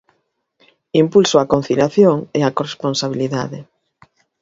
Impulso á conciliación e á corresponsabilidade.